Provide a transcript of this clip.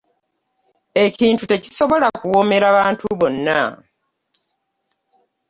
Ekintu tekisobola kuwoomera bantu bonna .